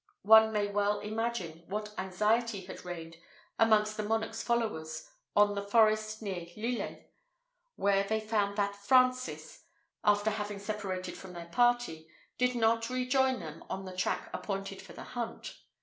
One may well imagine what anxiety had reigned amongst the monarch's followers in the forest near Lillers, when they found that Francis, after having separated from their party, did not rejoin them on the track appointed for the hunt.